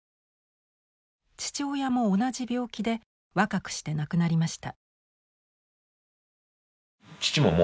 父親も同じ病気で若くして亡くなりました。